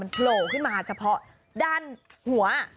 โผล่ขึ้นมาเฉพาะด้านหัว